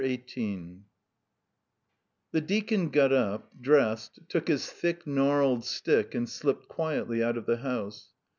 XVIII The deacon got up, dressed, took his thick, gnarled stick and slipped quietly out of the house.